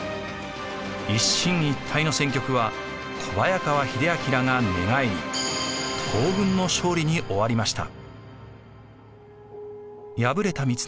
一進一退の戦局は小早川秀秋らが寝返り東軍の勝利に終わりました。